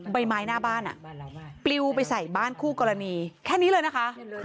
ใบไม้หน้าบ้านปลิวไปใส่บ้านคู่กรณีแค่นี้เลยนะคะ